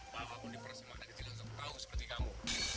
walaupun di persimak nanti dilengkap tahu seperti kamu